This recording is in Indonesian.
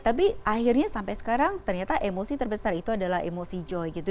tapi akhirnya sampai sekarang ternyata emosi terbesar itu adalah emosi joy gitu